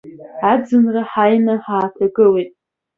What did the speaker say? Аӡынра ҳааины ҳааҭагылеит.